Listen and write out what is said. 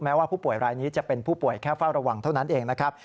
ว่าผู้ป่วยรายนี้จะเป็นผู้ป่วยแค่เฝ้าระวังเท่านั้นเองนะครับ